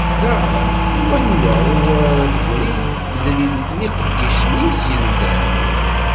Daɣen, i wanwa uɣur ara d-teggri tedrimt n yiqeddicen-is yenzan?